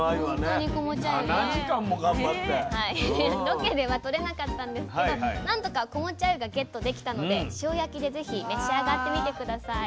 ロケではとれなかったんですけど何とか子持ちあゆがゲットできたので塩焼きでぜひ召し上がってみて下さい。